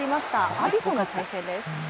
阿炎との対戦です。